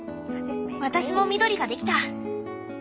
私も緑ができた！